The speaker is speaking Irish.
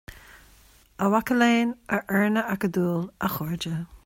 A mhaca léinn, a fhoirne acadúil, a chairde,